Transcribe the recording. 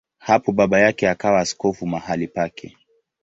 Hapo baba yake akawa askofu mahali pake.